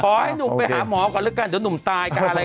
ให้หนุ่มไปหาหมอก่อนแล้วกันเดี๋ยวหนุ่มตายกันอะไร